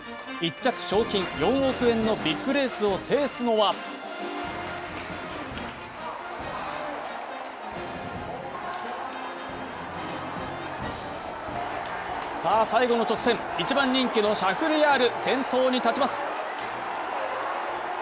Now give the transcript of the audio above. １着賞金４億円のビッグレースを制すのはさあ、最後の直線、１番人気のシャフリヤール、先頭に立ちます。